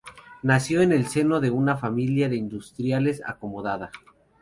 Nació en el seno de una familia de industriales, acomodada.